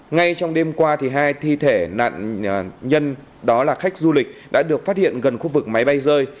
ngay trong đêm qua hai thi thể nạn nhân đó là khách du lịch đã được phát hiện gần khu vực máy bay rơi